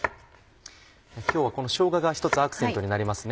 今日はしょうががひとつアクセントになりますね。